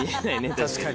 確かに。